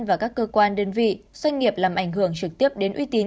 và các cơ quan đơn vị doanh nghiệp làm ảnh hưởng trực tiếp đến uy tín